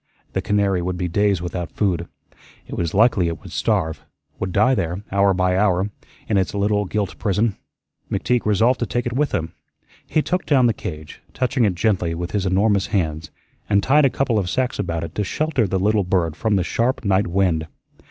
The canary would be days without food; it was likely it would starve, would die there, hour by hour, in its little gilt prison. McTeague resolved to take it with him. He took down the cage, touching it gently with his enormous hands, and tied a couple of sacks about it to shelter the little bird from the sharp night wind.